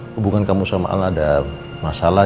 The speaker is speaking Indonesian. hubungan kamu sama allah ada masalah